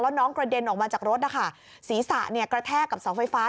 น้องกระเด็นออกมาจากรถนะคะศีรษะเนี่ยกระแทกกับเสาไฟฟ้า